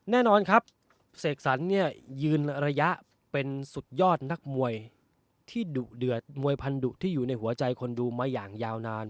แน่นอนครับเสกสรรเนี่ยยืนระยะเป็นสุดยอดนักมวยที่ดุเดือดมวยพันธุที่อยู่ในหัวใจคนดูมาอย่างยาวนาน